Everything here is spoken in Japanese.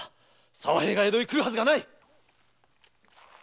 沢平が江戸へ来るはずがない！